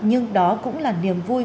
nhưng đó cũng là niềm vui